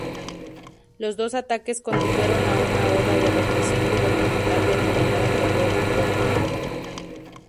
Los dos ataques condujeron a una ola de represión gubernamental denominada Terror rojo.